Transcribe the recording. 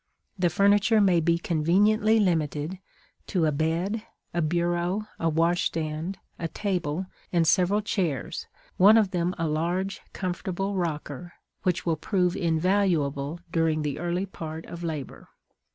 The furniture may be conveniently limited to a bed, a bureau, a washstand, a table, and several chairs, one of them a large, comfortable rocker, which will prove invaluable during the early part of labor.